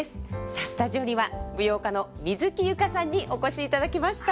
さあスタジオには舞踊家の水木佑歌さんにお越しいただきました。